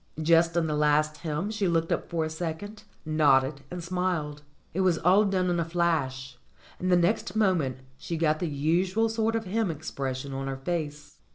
Just in the last hymn she looked up for a second, nodded and smiled ; it was all done in a flash, and the next moment she had got the usual sort of hymn expression on her face.